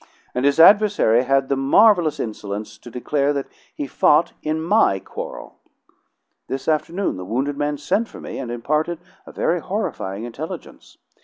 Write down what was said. " And his adversary had the marvelous insolence to declare that he fought in my quarrel! This afternoon the wounded man sent for me, and imparted a very horrifying intelligence.